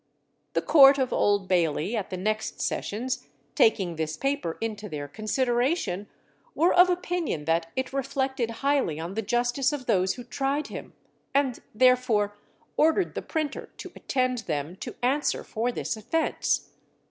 The Court of Old Bailey at the next sessions taking this paper into their consideration, were of opinion that it reflected highly on the justice of those who tried him, and therefore ordered the printer to attend them to answer for this offence.